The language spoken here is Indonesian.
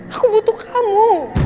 aku butuh kamu